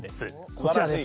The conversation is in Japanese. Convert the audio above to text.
こちらです。